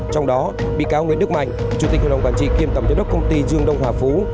trong đó bị cáo nguyễn đức mạnh chủ tịch hội đồng quản trị kiêm tổng giám đốc công ty dương đông hòa phú